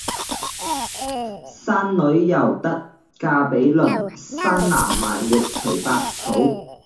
生女猶得嫁比鄰，生男埋沒隨百草！